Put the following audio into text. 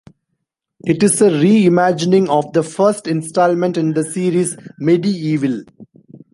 It is a re-imagining of the first instalment in the series, "MediEvil".